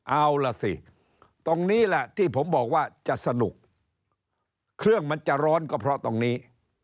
เอาล่ะสิตรงนี้แหละที่ผมบอกว่าจะสนุกเครื่องมันจะร้อนก็เพราะตรงนี้